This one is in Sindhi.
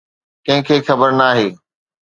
ڪنهن کي خبر ناهي.